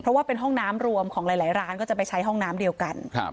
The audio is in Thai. เพราะว่าเป็นห้องน้ำรวมของหลายร้านก็จะไปใช้ห้องน้ำเดียวกัน